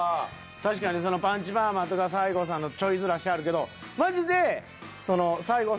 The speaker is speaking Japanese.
確かに「パンチパーマ」とか「西郷さん」のちょいずらしあるけどマジで。